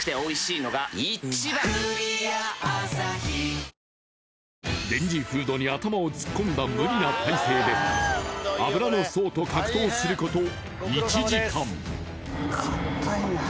「ネンマクフェイクルージュ」レンジフードに頭を突っ込んだ無理な体勢で油の層と格闘すること１時間。